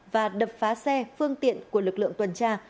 và đập phá xe phương tiện của lực lượng tuần tra